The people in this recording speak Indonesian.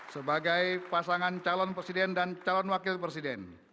sebagai pasangan calon presiden dan calon wakil presiden